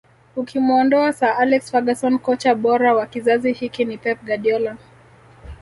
Ukimuondoa Sir Alex Ferguson kocha bora wa kizazi hiki ni Pep Guardiola